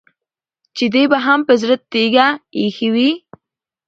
چې دې به هم په زړه تيږه اېښې وي.